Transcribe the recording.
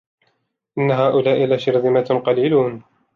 إِنَّ هَؤُلَاءِ لَشِرْذِمَةٌ قَلِيلُونَ